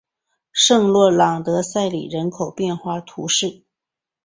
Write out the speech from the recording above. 圣洛朗德塞里人口变化图示